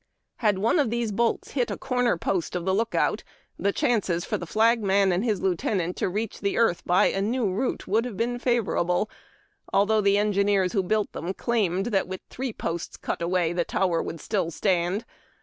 Had one of these bolts hit a corner post of the lookout, the chances for the flag man and his lieutenant to reach the earth by a new route would have been favorable, although the engineers who built them claimed that with three posts cut away the tower would still stand.